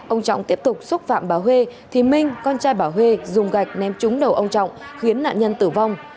ông trọng tiếp tục xúc phạm bà huê thì minh con trai bảo huê dùng gạch ném trúng đầu ông trọng khiến nạn nhân tử vong